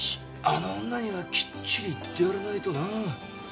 あの女にはきっちり言ってやらないとなあ。